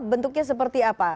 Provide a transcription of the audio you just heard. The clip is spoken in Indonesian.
bentuknya seperti apa